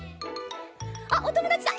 あっおともだちだ。